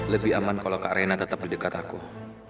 lebih aman kalau kak raina tetap berdekat aku